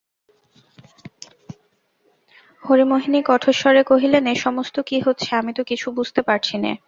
হরিমোহিনী কঠোর স্বরে কহিলেন, এ-সমস্ত কী হচ্ছে আমি তো কিছু বুঝতে পারছি নে।